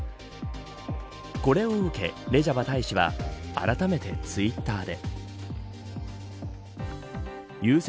これを受け、レジャバ大使はあらためてツイッターで。